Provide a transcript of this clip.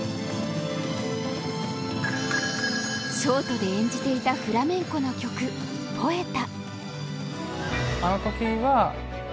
ショートで演じていたフラメンコの曲「ポエタ」。